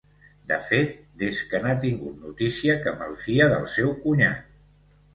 De fet, des que n'ha tingut notícia que malfia del seu cunyat.